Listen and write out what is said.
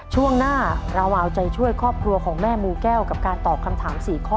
ช่วงหน้าเรามาเอาใจช่วยครอบครัวของแม่มูแก้วกับการตอบคำถาม๔ข้อ